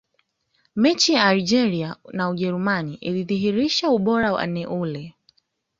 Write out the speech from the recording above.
mechi ya algeria na ujerumani ilidhihirisha ubora wa neuer